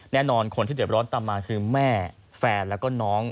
แน่นอนคนที่เด็บร้อนตามมาคือแม่แฟนแล้วก็น้อง